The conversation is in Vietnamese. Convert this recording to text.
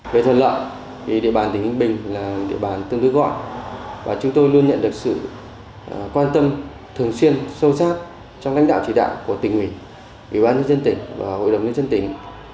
về thuận lợi thì địa bàn tỉnh ninh bình là địa bàn tương đối gọi và chúng tôi luôn nhận được sự quan tâm thường xuyên sâu sát trong lãnh đạo chỉ đạo của tỉnh ủy ủy ban nhân dân tỉnh và hội đồng nhân dân tỉnh